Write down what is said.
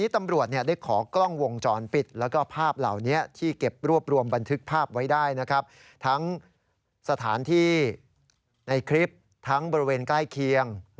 ทั้งสถานที่ในคลิปทั้งบริเวณใกล้เคียง